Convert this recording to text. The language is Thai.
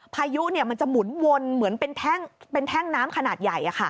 พายุมันจะหมุนวนเหมือนเป็นแท่งน้ำขนาดใหญ่